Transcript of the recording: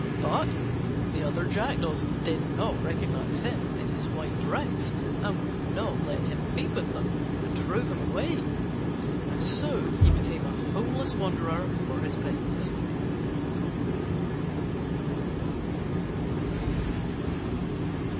But the other jackdaws did not recognise him in his white dress, and would not let him feed with them, but drove him away: and so he became a homeless wanderer for his pains.